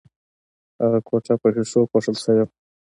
هغه کوټه په ښیښو پوښل شوې وه